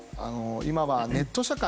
今は、ネット社会。